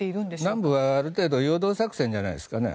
南部はある程度陽動作戦じゃないですかね。